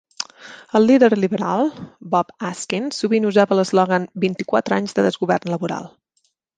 El líder liberal, Bob Askin, sovint usava l'eslògan vint-i-quatre anys de desgovern laboral.